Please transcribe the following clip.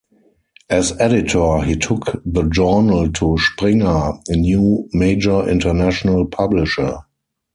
As editor, he took the journal to Springer, a new major international publisher.